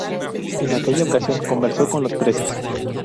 En aquella ocasión, conversó con los presos.